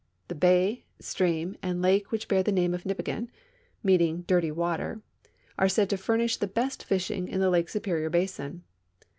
The bay, stream, and lake which bear the name of Nipigon (meaning " dirty water ") are said to furnish the best fishing in the Lake Superior basin.